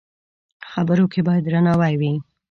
خبرو کې باید درناوی وي